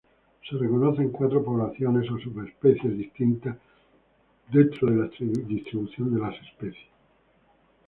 Se reconocen cuatro poblaciones o subespecies distintas dentro de la distribución de las especie.